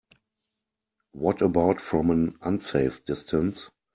What about from an unsafe distance?